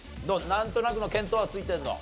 なんとなくの見当はついてるの？